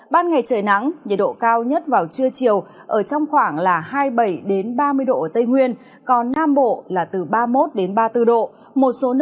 ban ngày trời nắng nhiệt độ cao nhất vào trưa chiều ở trong khoảng hai mươi bảy ba mươi độ ở tây nguyên còn nam bộ là từ ba mươi một ba mươi bốn độ